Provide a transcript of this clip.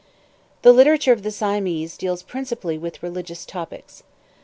The literature of the Siamese deals principally with religious topics.